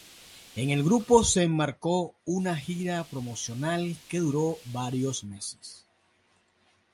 El grupo se embarcó en una gira promocional que duró varios meses.